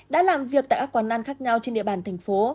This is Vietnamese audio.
đã làm việc tại các quán ăn khác nhau trên địa bàn thành phố